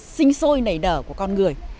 sinh sôi nảy đở của con người